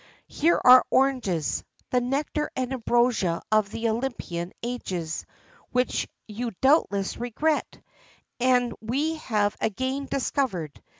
Here are oranges, the nectar and ambrosia of the Olympian ages, which you doubtless regret, and we have again discovered.